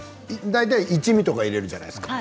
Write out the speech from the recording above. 大体一味とか入れるじゃないですか。